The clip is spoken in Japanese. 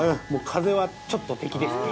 風はちょっと敵ですね。